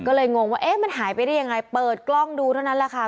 ก็เลยงงว่าเอ๊ะมันหายไปได้ยังไงเปิดกล้องดูเท่านั้นแหละค่ะ